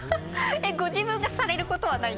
えっご自分がされることはない？